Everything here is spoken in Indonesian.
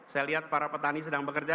saya lihat para petani sedang bekerja